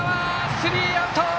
スリーアウト！